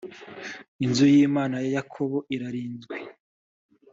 inzu y’imana ya yakobo irarinzwe